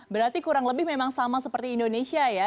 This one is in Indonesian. berarti kurang lebih memang sama seperti indonesia ya